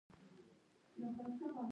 درناوی د سولې او ورورګلوۍ یوه نښه ده.